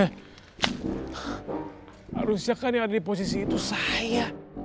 harusnya kan yang ada di posisi itu saya